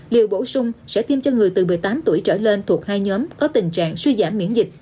liều bổ sung sẽ tiêm cho người từ một mươi tám tuổi trở lên thuộc hai nhóm có tình trạng suy giảm miễn dịch